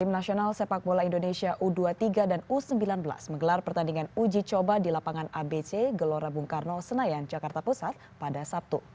tim nasional sepak bola indonesia u dua puluh tiga dan u sembilan belas menggelar pertandingan uji coba di lapangan abc gelora bung karno senayan jakarta pusat pada sabtu